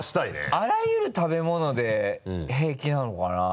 あらゆる食べ物で平気なのかな？